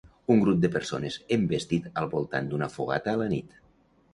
Un grup de persones en vestit al voltant d'una fogata a la nit.